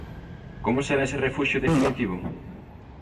Como será ese refuxio definitivo?